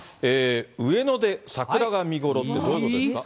上野で桜が見頃ってどういうことですか？